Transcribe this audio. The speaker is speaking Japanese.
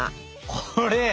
これ！